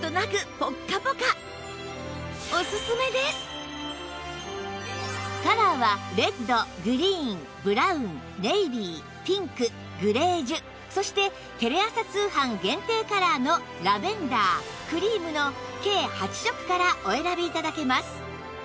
さあカラーはレッドグリーンブラウンネイビーピンクグレージュそしてテレ朝通販限定カラーのラベンダークリームの計８色からお選び頂けます